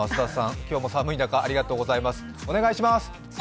今日も寒い中ありがとうございます。